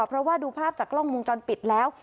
เพราะว่าดูภาพจากกล้องวงจรปิดแล้ว